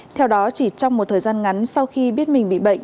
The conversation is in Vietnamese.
theo đó chỉ trong một thời gian ngắn sau khi biết mình bị bệnh